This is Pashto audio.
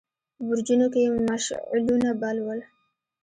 په برجونو کې يې مشعلونه بل ول.